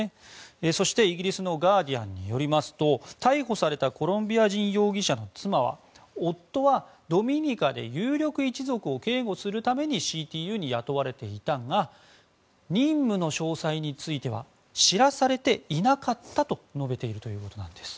そして、イギリスのガーディアンによりますと逮捕されたコロンビア人容疑者の妻は夫はドミニカで有力一族を警護するためにＣＴＵに雇われていたが任務の詳細については知らされていなかったと述べているということです。